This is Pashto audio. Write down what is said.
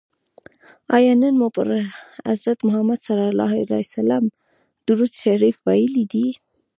آیا نن مو پر حضرت محمد صلی الله علیه وسلم درود شریف ویلي دی؟